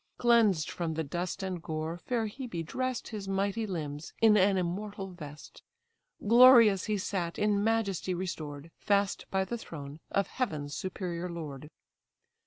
Cleansed from the dust and gore, fair Hebe dress'd His mighty limbs in an immortal vest. Glorious he sat, in majesty restored, Fast by the throne of heaven's superior lord.